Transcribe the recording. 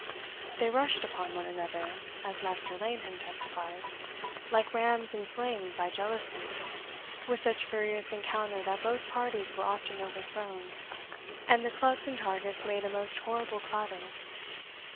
They rushed upon one another, as Master Laneham testifies, like rams inflamed by jealousy, with such furious encounter that both parties were often overthrown, and the clubs and targets made a most horrible clatter.